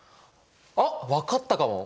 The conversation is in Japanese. あ分かったかも！